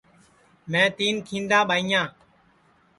میں تین کھیندا ٻائیاں